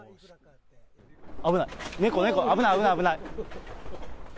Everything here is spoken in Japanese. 危ない、猫、猫、危ない、危ない。